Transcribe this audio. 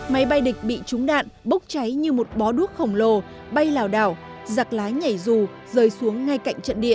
máy bay địch bị trúng đạn bốc cháy như một bó đuốc khổng lồ bay lào đảo giặc lá nhảy dù rơi xuống ngay cạnh trận địa